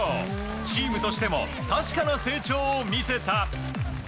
チームとしても確かな成長を見せた。